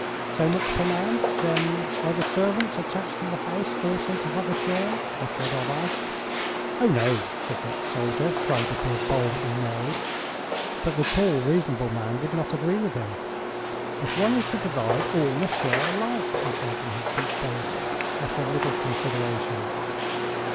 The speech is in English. "So much per man? Then are the servants attached to the house also to have a share?" Nekhludoff asked. "Oh, no," said the ex soldier, trying to appear bold and merry. But the tall, reasonable man would not agree with him. "If one is to divide, all must share alike," he said, in his deep bass, after a little consideration.